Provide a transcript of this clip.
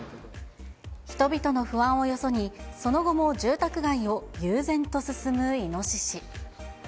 人々の不安をよそに、その後も住宅街を悠然と進むイノシシ。